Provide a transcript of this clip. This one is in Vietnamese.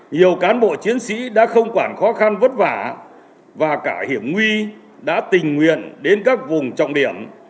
nhiều cán bộ chiến sĩ đã không quản khó khăn vất vả và cả hiểm nguy đã tình nguyện đến các vùng trọng điểm